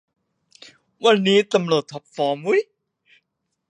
วันนี้ตำรวจท็อปฟอร์มวุ้ย